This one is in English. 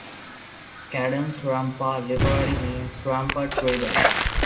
Cadence rampa literally means "rampart rhythm".